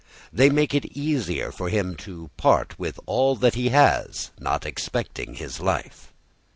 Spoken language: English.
They make it easier for him to part with all that he has, not expecting his life.